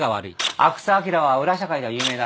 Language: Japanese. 阿久津晃は裏社会では有名だ。